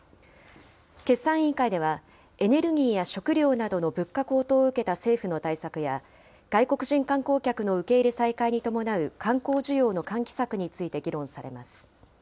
決算委員会では、エネルギーや食料などの物価高騰を受けた政府の対策や、外国人観光客の受け入れ再開に伴う観光需要の喚起策について議論されます。